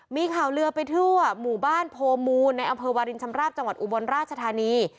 มีข่าวเรือไปทั่วหมู่บ้านโพมูลในอำเภอวาลินชำราบจังหวัดอุบลราชธานี